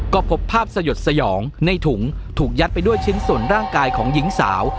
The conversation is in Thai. ก็พบภาพสยดสยองในถุงถูกยัดไปด้วยชิ้นส่วนร่างกายของหญิงสาว